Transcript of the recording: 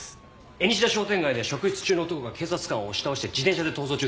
エニシダ商店街で職質中の男が警察官を押し倒して自転車で逃走中です。